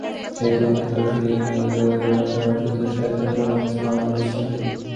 সেই তুলনায় সরাসরি ই-মেইল যোগাযোগের মাধ্যমে অর্জিত সহায়তার পরিমাণ ছিল অনেক বেশি।